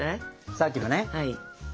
さっきのね？